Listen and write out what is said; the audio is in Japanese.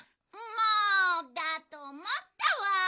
もうだとおもったわ。